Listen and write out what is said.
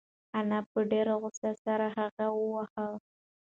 انا په ډېرې غوسې سره هغه وواهه.